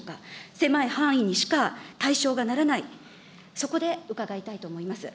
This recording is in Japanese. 狭い範囲にしか対象がならない、そこで伺いたいと思います。